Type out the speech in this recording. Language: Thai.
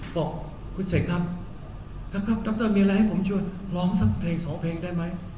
บอกคุณเสกครับนะครับดรมีอะไรให้ผมช่วยร้องสักเพลงสองเพลงได้ไหม